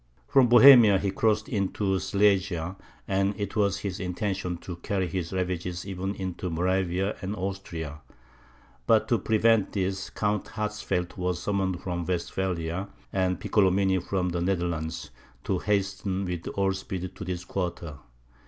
From Bohemia he crossed into Silesia, and it was his intention to carry his ravages even into Moravia and Austria. But to prevent this, Count Hatzfeld was summoned from Westphalia, and Piccolomini from the Netherlands, to hasten with all speed to this quarter.